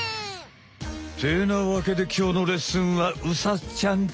ってなわけできょうのレッスンはうさちゃんち！